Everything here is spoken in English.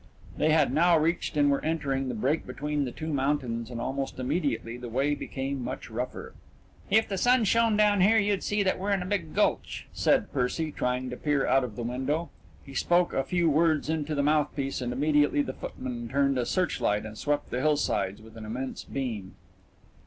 They had now reached and were entering the break between the two mountains and almost immediately the way became much rougher. "If the moon shone down here, you'd see that we're in a big gulch," said Percy, trying to peer out of the window. He spoke a few words into the mouthpiece and immediately the footman turned on a searchlight and swept the hillsides with an immense beam.